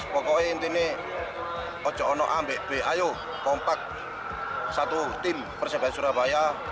pokoknya ini ojo ono ambik ayo kompak satu tim persebaya surabaya